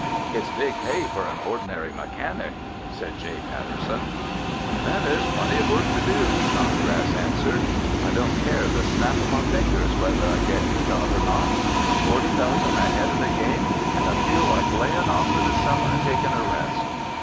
It's big pay for an ordinary mechanic," said J. Patterson. "There's plenty of work to do," Snodgrass answered. "I don't care the snap o' my finger whether I get your job or not. I'm forty thousand ahead o' the game and I feel like layin' off for the summer and takin' a rest."